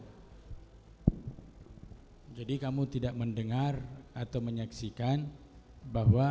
hai jadi kamu tidak mendengar atau menyaksikan bahwa